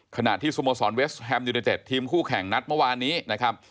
ขณะที่สโมสรเวสแฮมยูเนเต็ดทีมคู่แข่งนัดเมื่อวานนี้นะครับ